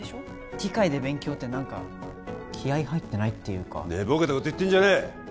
機械で勉強って何か気合入ってないっていうか寝ぼけたこと言ってんじゃねえ！